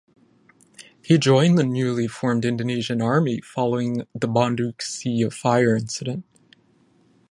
He joined the newly formed Indonesian Army following the Bandung Sea of Fire incident.